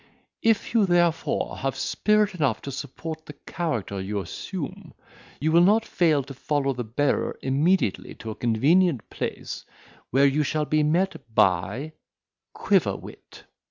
If you therefore have spirit enough to support the character you assume, you will not fail to follow the bearer immediately to a convenient place, where you shall be met by "Quiverwit."